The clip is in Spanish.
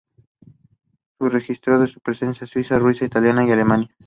Se registró su presencia en Suiza, Rusia, Italia y Alemania.